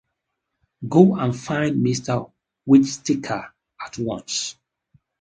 Go and find Mr. Whittaker at once.